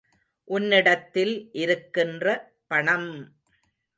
உன்னிடத்தில் இருக்கின்ற பணம்!